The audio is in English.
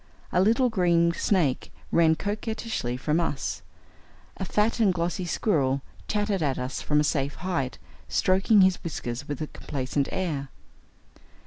A little green snake ran coquettishly from us. A fat and glossy squirrel chattered at us from a safe height, stroking his whiskers with a complaisant air.